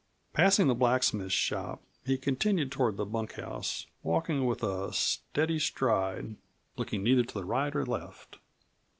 Passing the blacksmith shop he continued toward the bunkhouse, walking with a steady stride, looking neither to the right or left.